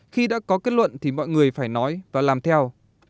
khi đã có kết luận thì mọi người phải nói và làm theo